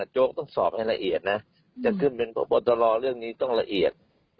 โจ๊กต้องสอบให้ละเอียดนะจะขึ้นเป็นพบตรเรื่องนี้ต้องละเอียด